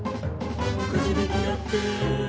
「くじ引きやって」